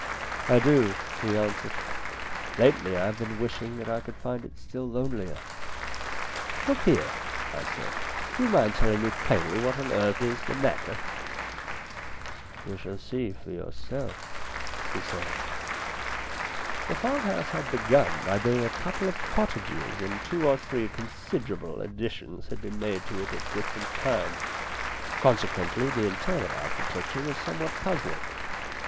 " I do," he answered. " Lately I have been wishing that I could find it still lonelier." " Look here," I said, " do you mind telling me plainly what on earth is the matter ?"" You shall see for yourself," he said. The farmhouse had begun by being a couple of cottages and two or three considerable additions had been made to it at different times ; consequently, the internal architecture was somewhat puzzling.